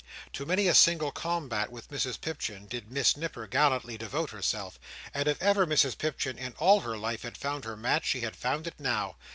To many a single combat with Mrs Pipchin, did Miss Nipper gallantly devote herself, and if ever Mrs Pipchin in all her life had found her match, she had found it now.